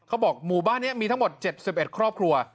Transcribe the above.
หมู่บ้านนี้มีทั้งหมด๗๑ครอบครัว